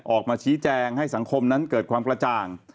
ออกมาชี้แจงให้สังคมนั้นเกิดความกระจ่าง